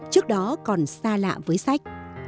trước đó còn xa lạ với sách